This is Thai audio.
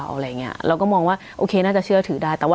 สวัสดีครับทุกผู้ชม